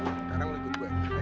sekarang lagi berubah